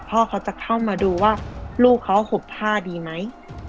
พ่อเขาจะเข้ามาดูว่าลูกเขาหบผ้าดีไหม